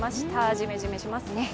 ジメジメしますね。